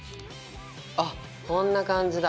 あっこんな感じだ。